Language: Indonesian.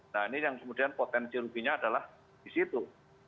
nah ini yang kemudian potensi ruginya adalah di situ